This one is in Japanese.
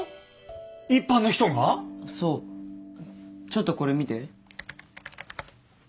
ちょっとこれ見て。